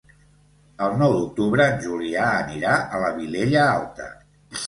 El nou d'octubre en Julià anirà a la Vilella Alta.